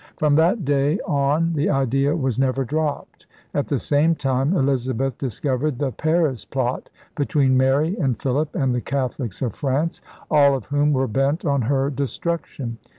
From that day on, the idea was never dropped. At the same time Elizabeth discovered the Paris Plot between Mary and Philip and the Catholics of France, all of whom were bent on her destruction.